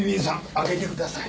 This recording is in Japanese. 開けてください。